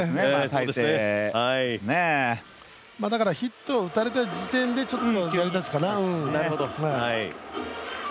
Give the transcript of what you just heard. だからヒットを打たれた時点で、作り出すかな。